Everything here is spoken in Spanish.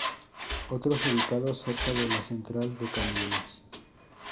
Otros ubicados cerca de la central de camiones.